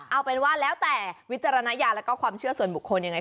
เอาเป็นว่าแล้วแต่วิจารณญาณแล้วก็ความเชื่อส่วนบุคคลยังไง